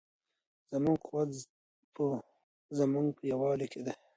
زموږ قوت په زموږ په یووالي کې دی.